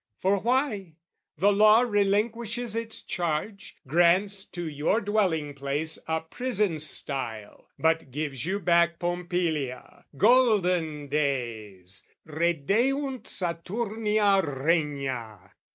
For why? The law relinquishes its charge, Grants to your dwelling place a prison's style, But gives you back Pompilia; golden days, Redeunt Saturnia regna!